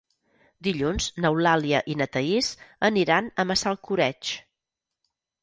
Dilluns n'Eulàlia i na Thaís aniran a Massalcoreig.